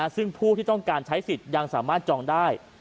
ซึ่งผู้ที่ต้องการใช้สิทธิ์ยังสามารถจองได้